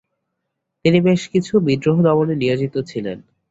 তিনি বেশ কিছু বিদ্রোহ দমনে নিয়োজিত ছিলেন।